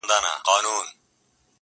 • هغه د خلکو له سترګو ځان پټ ساتي تل..